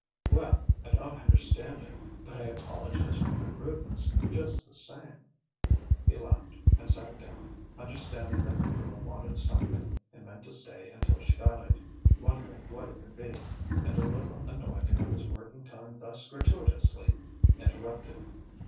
"Well, I don't understand it, but I apologize for my rudeness, just the same," he laughed; and sat down, understanding that the girl wanted something and meant to stay until she got it, wondering what it could be, and a little annoyed to have his working time thus gratuitously interrupted.